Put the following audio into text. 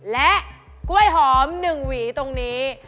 และกล้วยหอม๑หวีตรงนี้